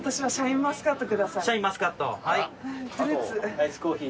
アイスコーヒー。